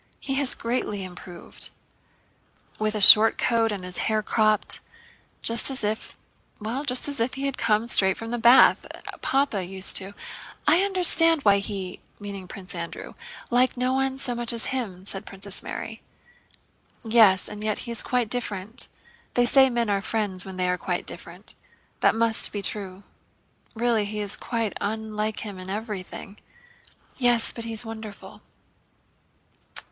"He has greatly improved." "With a short coat and his hair cropped; just as if, well, just as if he had come straight from the bath... Papa used to..." "I understand why he" (Prince Andrew) "liked no one so much as him," said Princess Mary. "Yes, and yet he is quite different. They say men are friends when they are quite different. That must be true. Really he is quite unlike him—in everything." "Yes, but he's wonderful."